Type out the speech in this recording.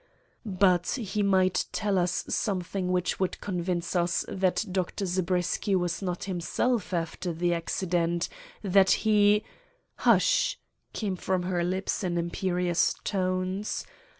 "But he might tell us something which would convince us that Dr. Zabriskie was not himself after the accident, that he——" "Hush!" came from her lips in imperious tones.